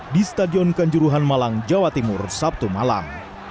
di stadion kanjuruhan malang jawa timur sabtu malam